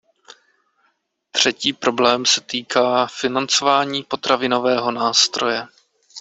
Třetí problém se týká financování potravinového nástroje.